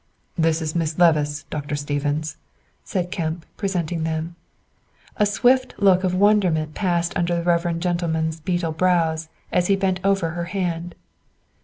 "This is Miss Levice, Dr. Stephens," said Kemp, presenting them. A swift look of wonderment passed under the reverend gentleman's beetle brows as he bent over her hand.